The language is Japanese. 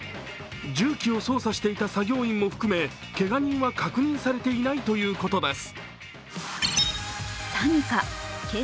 重機を操作していた作業員も含めけが人は確認されていないということです。